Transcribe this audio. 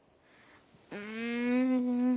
うん。